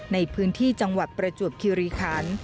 ในพื้นที่จังหวัดประจวบคิริคัน